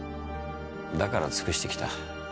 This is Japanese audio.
だから尽くしてきた。